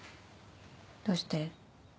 どうして？